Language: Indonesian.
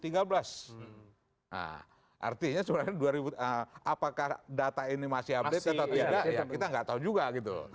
nah artinya sebenarnya apakah data ini masih update atau tidak kita nggak tahu juga gitu loh